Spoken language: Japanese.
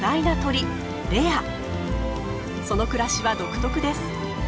その暮らしは独特です。